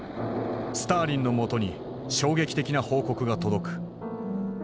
スターリンのもとに衝撃的な報告が届く。